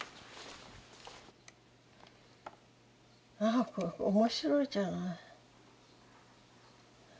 あこれ面白いじゃない。